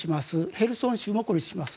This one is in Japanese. ヘルソン州も孤立します